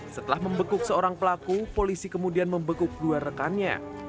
setelah membekuk seorang pelaku polisi kemudian membekuk dua rekannya